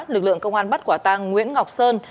lực lượng công an bắt quả tang nguyễn ngọc sơn